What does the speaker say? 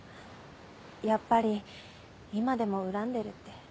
やっぱり今でも恨んでるって？